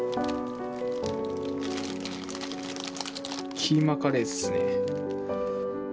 キーマカレーっすね。